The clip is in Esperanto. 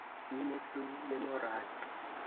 Mi ne plu memoras.